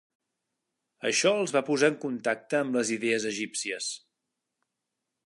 Això els va posar en contacte amb les idees egípcies.